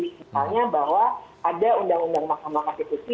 misalnya bahwa ada undang undang mahkamah konstitusi